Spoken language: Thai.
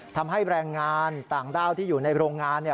ทำให้แรงงานต่างด้าวที่อยู่ในโรงงาน